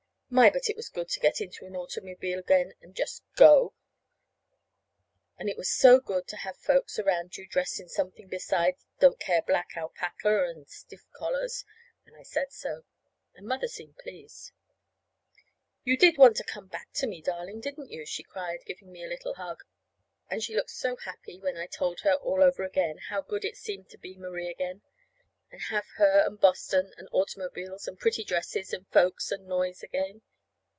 My, but it was good to get into an automobile again and just go! And it was so good to have folks around you dressed in something besides don't care black alpaca and stiff collars. And I said so. And Mother seemed so pleased. "You did want to come back to me, darling, didn't you?" she cried, giving me a little hug. And she looked so happy when I told her all over again how good it seemed to be Marie again, and have her and Boston, and automobiles, and pretty dresses and folks and noise again.